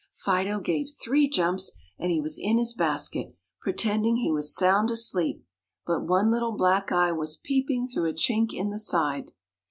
Fido gave three jumps and he was in his basket, pretending he was sound asleep, but one little black eye was peeping through a chink in the side.